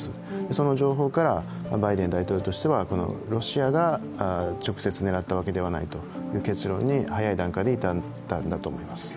その情報から、バイデン大統領としてはロシアが直接狙ったわけではないという結論に早い段階で至ったんだと思います。